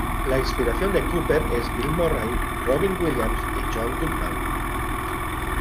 La Inspiración de Cooper es Bill Murray, Robin Williams y John Goodman.